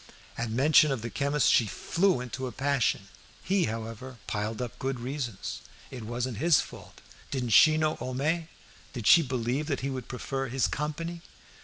At mention of the chemist she flew into a passion. He, however, piled up good reasons; it wasn't his fault; didn't she know Homais did she believe that he would prefer his company?